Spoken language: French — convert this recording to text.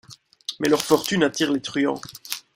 Mais leur fortune attire les truands.